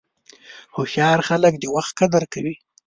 هوښیار خلک د وخت قدر کوي.